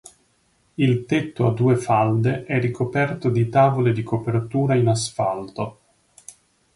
Il tetto a due falde è ricoperto di tavole di copertura in asfalto.